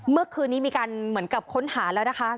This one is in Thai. เมื่อคืนนี้มีการเหมือนกับค้นหาแล้วนะคะ